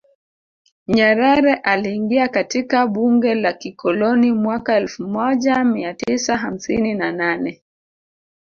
Nyerere aliingia katika bunge la kikoloni mwaka elfu moja mia tisa hamsini na nane